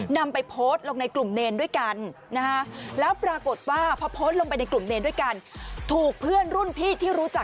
นำไปโพสต์ลงในกลุ่มเนรนด้วยกันนะฮะ